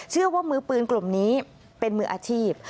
เชื่อว่ามือปืนกลุ่มนี้เป็นมืออาชีพ